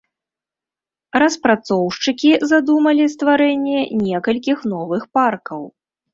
Распрацоўшчыкі задумалі стварэнне некалькіх новых паркаў.